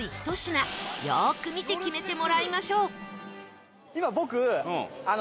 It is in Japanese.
よく見て決めてもらいましょう